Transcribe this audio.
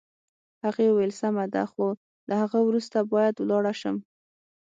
هغې وویل: سمه ده، خو له هغه وروسته باید ولاړه شم.